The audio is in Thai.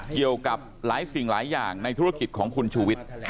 เกี่ยวกับหลายสิ่งหลายอย่างในธุรกิจของคุณชูวิทย์